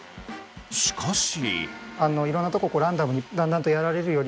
しかし。